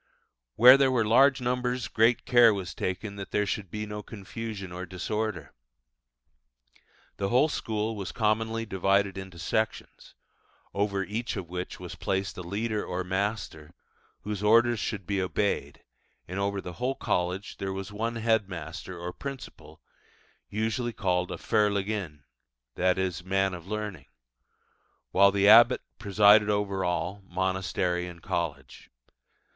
Where there were large numbers great care was taken that there should be no confusion or disorder. The whole school was commonly divided into sections, over each of which was placed a leader or master, whose orders should be obeyed: and over the whole college there was one head master or principal, usually called a Fer leginn, i.e., 'Man of learning': while the abbot presided over all monastery and college.